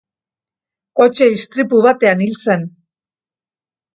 Kotxe istripu batean hil zen.